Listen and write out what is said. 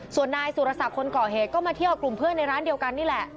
ส่วนนายสุรศักดิ์คนก่อเหตุก็มาเที่ยวกับกลุ่มเพื่อนในร้านเดียวกันนี่แหละ